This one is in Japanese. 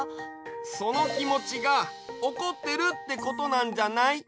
そのきもちがおこってるってことなんじゃない？